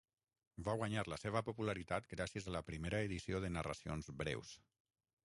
Va guanyar la seva popularitat gràcies a la primera edició de narracions breus.